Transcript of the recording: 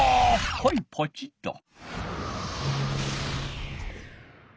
はいポチッと。